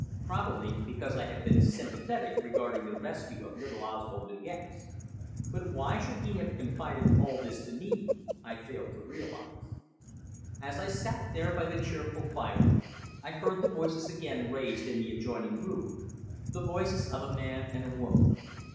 Probably because I had been sympathetic regarding the rescue of little Oswald De Gex. But why he should have confided all this to me I failed to realize. As I sat there by the cheerful fire I heard the voices again raised in the adjoining room the voices of a man and a woman.